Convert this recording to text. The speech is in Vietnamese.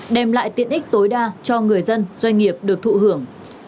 đem lại tiện ích tối đa cho người dân doanh nghiệp được thụ hưởng